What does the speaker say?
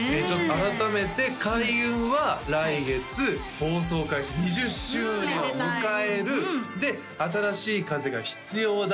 改めて開運は来月放送開始２０周年を迎えるで新しい風が必要だ